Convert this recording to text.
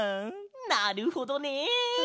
なるほどね。